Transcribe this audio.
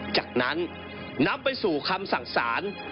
จากนั้นนำไปสู่คำสั่งสาร